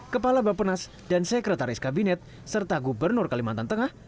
kepala bapenas dan sekretaris kabinet serta gubernur kalimantan tengah